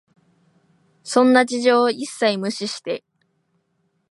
そんな事情を一切無視して、